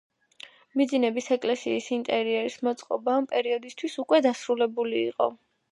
მიძინების ეკლესიის ინტერიერის მოწყობა ამ პერიოდისათვის უკვე დასრულებული იყო.